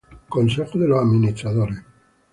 Consejo de los administradores